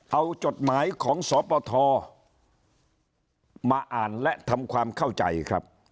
เอาจดหมายของสปทมาอ่านและทำความเข้าใจครับ